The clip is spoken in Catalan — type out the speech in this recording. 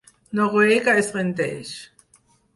Noruega es rendeix.